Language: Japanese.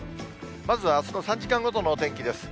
まずあすの３時間ごとのお天気です。